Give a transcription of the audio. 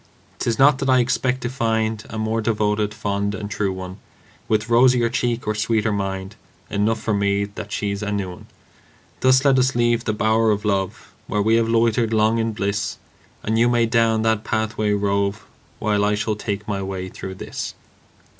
'Tis not that I expect to find A more devoted, fond and true one, With rosier cheek or sweeter mind Enough for me that she's a new one. Thus let us leave the bower of love, Where we have loitered long in bliss; And you may down that pathway rove, While I shall take my way through this.